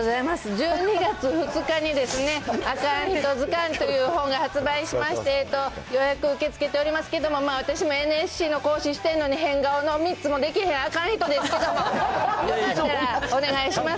１２月２日にアカンヒトズカンという本が発売しまして、予約受け付けておりますけども、私もＮＳＣの講師してんのに、変顔の３つもでけへん、あかん人ですけども、よかったらお願いします。